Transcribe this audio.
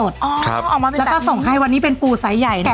และก็ส่งให้กล้ามไปสนของปูใส่ใหญ่